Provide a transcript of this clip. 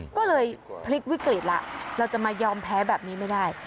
ก็เลยพลิกวิกฤตแล้วเราจะมายอมแพ้แบบนี้ไม่ได้